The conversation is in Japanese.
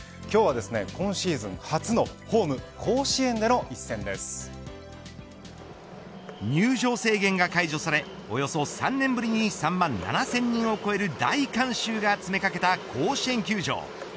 今日は今シーズン初のホーム入場制限が解除されおよそ３年ぶりに３万７０００人を超える大観衆が詰めかけた甲子園球場。